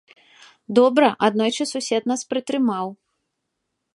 Добра, аднойчы сусед нас прытрымаў.